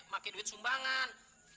pakai duit sumbangan